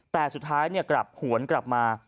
แต่สุดท้ายกลับหวนกลับมา